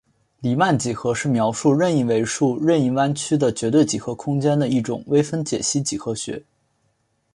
黎曼几何是描述任意维数任意弯曲的绝对几何空间的一种微分解析几何学。